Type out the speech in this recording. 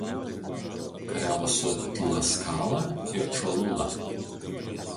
Kariavo su Tlaskala ir Čolula.